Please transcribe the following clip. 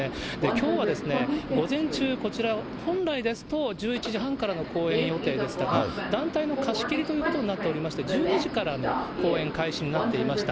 きょうは午前中、こちら、本来ですと１１時半からの公演予定でしたが、団体の貸し切りということになっておりまして、１２時からの公演開始になっていました。